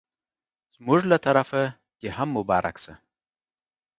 زموږ له طرفه دي هم مبارک سه